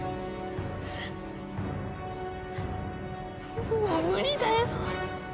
もう無理だよ。